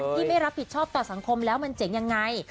ที่ไม่รับผิดชอบต่อสังคมแล้วมันเจ๋งยังไง